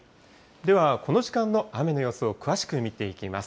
では、この時間の雨の様子を詳しく見ていきます。